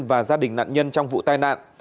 và gia đình nạn nhân trong vụ tai nạn